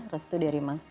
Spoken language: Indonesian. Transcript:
restu dari mas arsuna